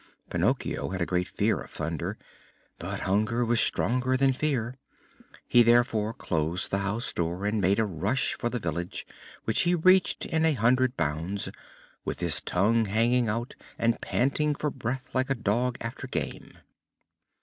Pinocchio had a great fear of thunder, but hunger was stronger than fear. He therefore closed the house door and made a rush for the village, which he reached in a hundred bounds, with his tongue hanging out and panting for breath like a dog after game.